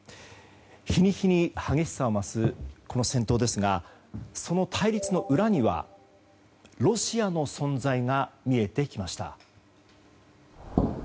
日に日に激しさを増すこの戦闘ですがその対立の裏にはロシアの存在が見えてきました。